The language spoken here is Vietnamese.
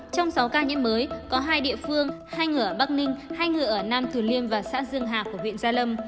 trong sáu ca nhiễm mới có hai địa phương hai người ở bắc ninh hai người ở nam thừa liêm và xã dương hà của huyện gia lâm